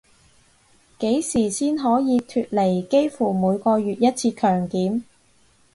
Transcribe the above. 幾時先可以脫離幾乎每個月一次強檢